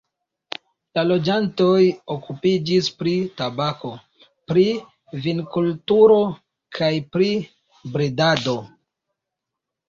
La loĝantoj okupiĝis pri tabako, pri vinkulturo kaj pri bredado.